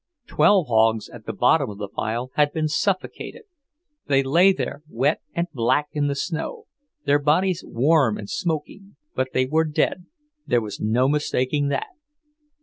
Twelve hogs, at the bottom of the pile, had been suffocated. They lay there wet and black in the snow, their bodies warm and smoking, but they were dead; there was no mistaking that.